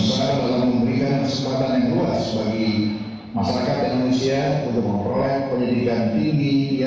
sejak berdiri pada tanggal empat september seribu sembilan ratus delapan puluh empat sampai usia hari ini